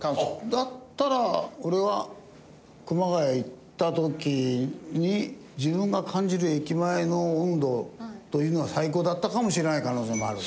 だったら俺は熊谷行った時に自分が感じる駅前の温度というのが最高だったかもしれない可能性もある。